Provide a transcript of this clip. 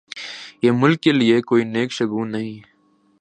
یہ ملک کے لئے کوئی نیک شگون نہیں۔